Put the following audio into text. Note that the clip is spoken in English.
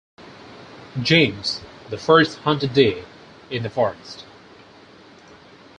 James the First hunted deer in the forest.